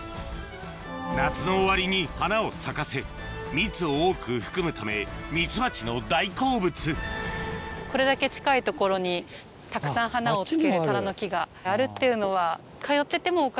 夏の終わりに花を咲かせ蜜を多く含むためミツバチの大好物これだけ近い所にたくさん花をつけるタラノキがあるっていうのは。